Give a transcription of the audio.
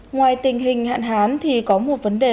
ngoài tình hình hạn hán thì có một vấn đề